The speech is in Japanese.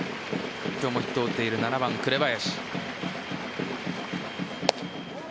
今日もヒットを打っている７番・紅林。